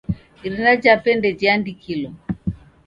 Irina jape ndejiandikilo.